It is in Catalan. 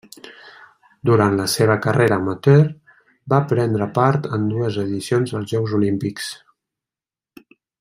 Durant la seva carrera amateur va prendre part en dues edicions dels Jocs Olímpics.